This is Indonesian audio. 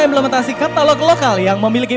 implementasi katalog lokal yang memiliki